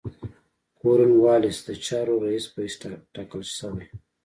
کورن والیس د چارو رییس په حیث تاکل شوی.